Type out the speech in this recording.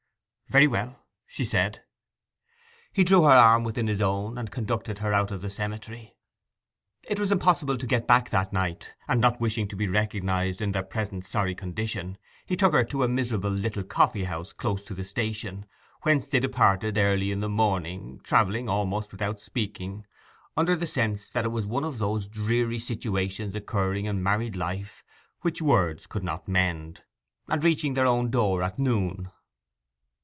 'Very well,' she said. He drew her arm within his own, and conducted her out of the Cemetery. It was impossible to get back that night; and not wishing to be recognized in their present sorry condition, he took her to a miserable little coffee house close to the station, whence they departed early in the morning, travelling almost without speaking, under the sense that it was one of those dreary situations occurring in married life which words could not mend, and reaching their own door at noon.